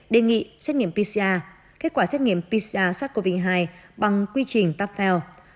đề nghị xét nghiệm pcr kết quả xét nghiệm pcr sars cov hai bằng quy trình tapel